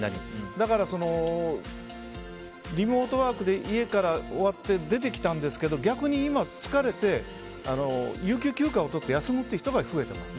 だから、リモートワークで終わって、家から出てきたんですが逆に今、疲れて有給休暇を使って休むという人が増えています。